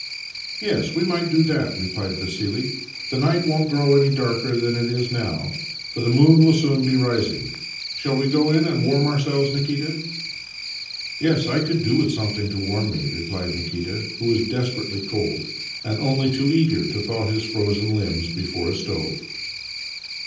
" Yes, we might do that," replied Vassili. " The night won't grow any darker than it is now, for the . moon will soon be rising. Shall we go in and warm , ourselves, Nikita? " "s^ j " Yes, I could do with something to warm me," f replied Nikita, who was desperately cold, and only\^ too eager to thaw his frozen limbs before a stove.